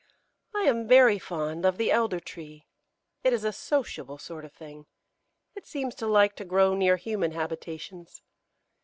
I am very fond of the Elder tree. It is a sociable sort of thing; it seems to like to grow near human habitations.